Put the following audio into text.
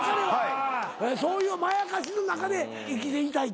そういうまやかしの中で生きていたいという。